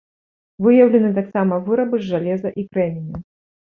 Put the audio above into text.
Выяўлены таксама вырабы з жалеза і крэменю.